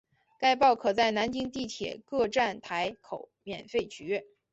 该报可在南京地铁各站台口免费取阅。